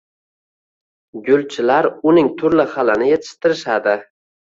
Gulchilar uning turli xilini yetishtirishadi.